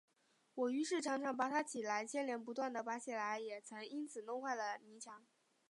我于是常常拔它起来，牵连不断地拔起来，也曾因此弄坏了泥墙